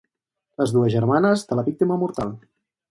Les dues germanes de la víctima mortal.